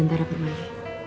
bisa di cek dulu